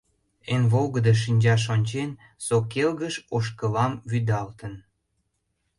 Эн волгыдо шинчаш ончен, Со келгыш ошкылам вӱдалтын.